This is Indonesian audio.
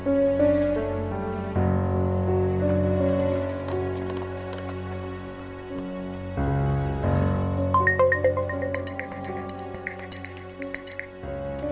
semoga kau tahu